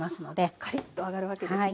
カリッと揚がるわけですね。